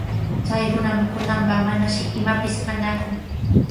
Chay runa mikunanpaq manashi imapis kannaku.